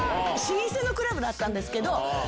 老舗のクラブだったんです。